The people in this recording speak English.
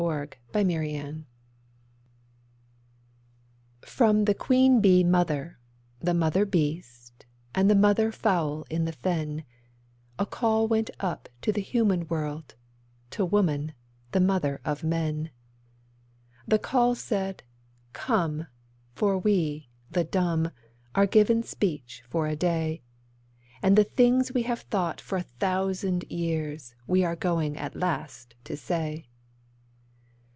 THE CONVENTION FROM the Queen Bee mother, the mother Beast, and the mother Fowl in the fen, A call went up to the human world, to Woman, the mother of men. The call said, 'Come: for we, the dumb, are given speech for a day, And the things we have thought for a thousand years we are going at last to say.